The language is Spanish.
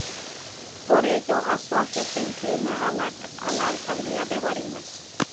Por ello Azuaje se inclina a la alcaldía de Barinas.